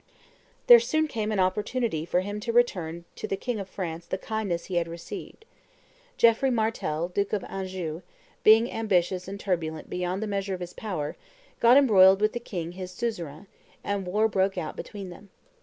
There soon came an opportunity for him to return to the king of France the kindness he had received. Geoffrey Martel, duke of Anjou, being ambitious and turbulent beyond the measure of his power, got embroiled with the king his suzerain, and war broke out between them.